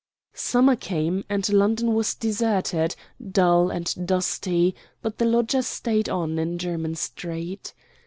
Summer came and London was deserted, dull, and dusty, but the lodger stayed on in Jermyn Street.